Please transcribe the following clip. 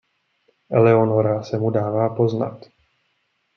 Eleonora se mu dává poznat.